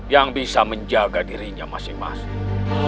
yang bisa menjaga dirinya masing masing